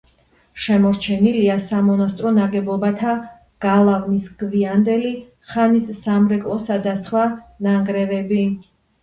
შემორჩენილია სამონასტრო ნაგებობათა, გალავნის, გვიანდელი ხანის სამრეკლოსა და სხვა ნანგრევები.